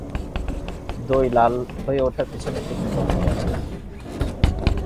দই লাল হয়ে ওঠার পিছনে একটি কিংবদন্তি আছে।